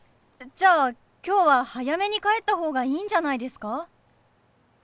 じゃあ今日は早めに帰った方がいいんじゃないですか？